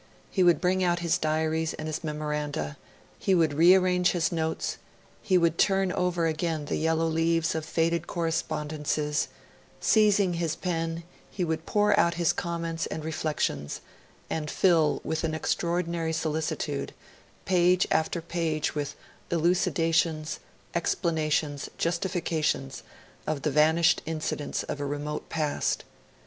He would bring out his diaries and his memoranda, he would rearrange his notes, he would turn over again the yellow leaves of faded correspondences; seizing his pen, he would pour out his comments and reflections, and fill, with an extraordinary solicitude, page after page with elucidations, explanations, justifications, of the vanished incidents of a remote past.